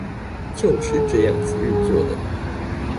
就是這樣子運作的